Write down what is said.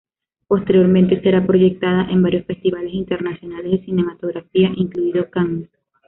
Posteriormente será proyectada en varios festivales internacionales de cinematografía, incluido Cannes.